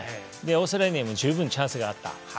オーストラリアには十分チャンスがあった。